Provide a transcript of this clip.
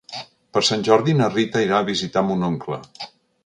Per Sant Jordi na Rita irà a visitar mon oncle.